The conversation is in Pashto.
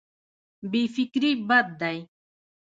بې فکري بد دی.